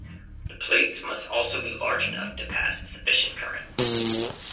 The plates must also be large enough to pass sufficient current.